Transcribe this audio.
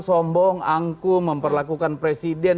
sombong angkum memperlakukan presiden